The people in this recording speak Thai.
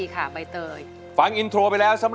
กลับไปก่อนที่สุดท้าย